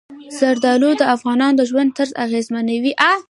زردالو د افغانانو د ژوند طرز اغېزمنوي.